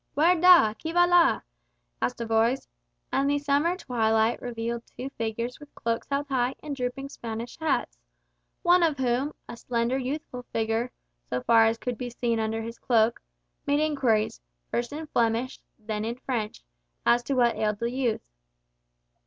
"Wer da? Qui va là?" asked a voice, and the summer twilight revealed two figures with cloaks held high and drooping Spanish hats; one of whom, a slender, youthful figure, so far as could be seen under his cloak, made inquiries, first in Flemish, then in French, as to what ailed the youth.